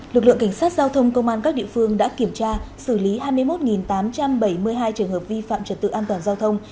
lực lượng cảnh sát giao thông công an các địa phương đã kiểm tra xử lý hai mươi một tám trăm bảy mươi hai trường hợp vi phạm trật tự an toàn giao thông